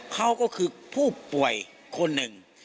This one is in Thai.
เขาก็คือผู้ป่วยคนหนึ่ง